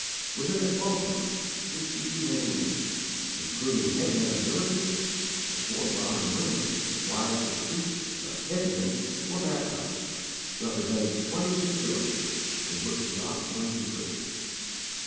Within a twelvemonth, sixty two men and women, including head men of villages, and four Brahman women, wives of priests and of head men, were baptized, representing twenty three villages in which the gospel had been preached.